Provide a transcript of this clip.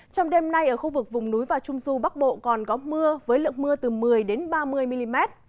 trong đêm nay ở khu vực vùng núi và trung du bắc bộ còn có mưa với lượng mưa từ một mươi ba mươi mm